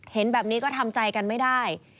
เห็นแบบนี้ก็ทำใจกันไม่ได้